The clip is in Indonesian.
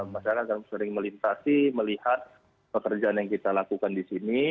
masyarakat sering melintasi melihat pekerjaan yang kita lakukan di sini